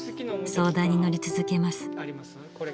相談にのり続けます。